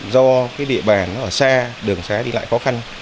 do cái địa bàn ở xe đường xe đi lại khó khăn